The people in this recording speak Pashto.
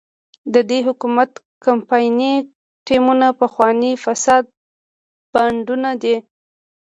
د دې حکومت کمپایني ټیمونه پخواني فاسد بانډونه دي.